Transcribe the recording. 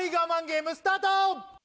ゲームスタート